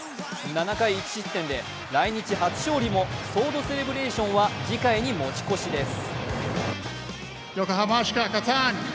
７回１失点で来日初勝利もソードセレブレーションは次回に持ち越しです。